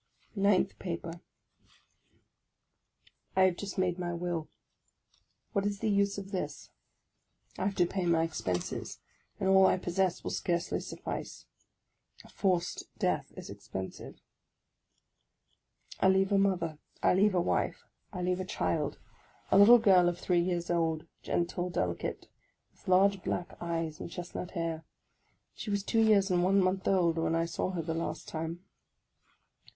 NINTH PAPER I HAVE just made my will; what was the use of this? I have to pay my expenses, and all I possess will scarcely suffice. A forced death is expensive. I leave a mother, I leave a wife, I leave a child, — a little girl of three years old, gentle, delicate, with large black eyes and chestnut hair. She was two years and one month old when I saw her the last time.